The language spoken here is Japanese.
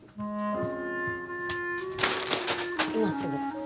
今すぐ。